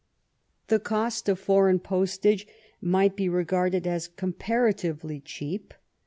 The cost of foreign postage might be regarded as comparatively cheap.